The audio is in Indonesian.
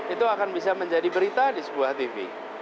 itu akan bisa menjadi berita di sebuah tv